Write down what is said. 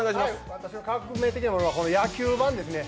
私の革命的なものは野球盤ですね。